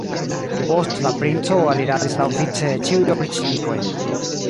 Post la princo aliradis laŭvice ĉiuj opriĉnikoj.